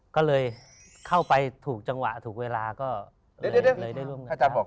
ก็เลยเข้าไปถูกจังหวะถูกเวลาก็เลยได้ร่วมงาน